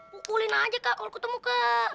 pukulin aja kak kalau ketemu kak